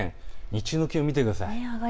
日中の気温、見てください。